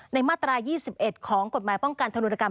มาตรา๒๑ของกฎหมายป้องกันธนุรกรรม